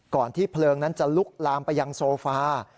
ที่เพลิงนั้นจะลุกลามไปยังโซฟา